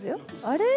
あれ？